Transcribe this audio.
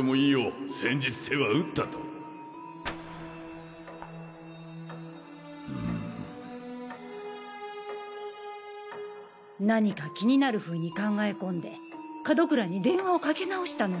う先日手は打ったと何か気になる風に考え込んで門倉に電話をかけ直したのよ。